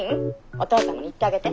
お父さんにも言ってあげて。